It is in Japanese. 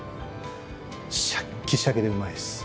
シャッキシャキでうまいです！